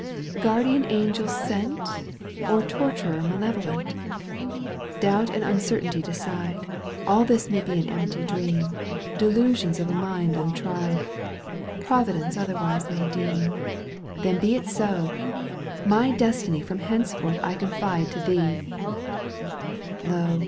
Guardian angel sent Or torturer malevolent 1 Doubt and uncertainty decide : All this may be an empty dream. Delusions of a mind untried. Providence otherwise may deem —* Then be it so I My destiny From henceforth I confide to thee I Lo